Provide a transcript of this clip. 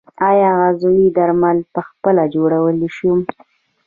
آیا عضوي درمل پخپله جوړولی شم؟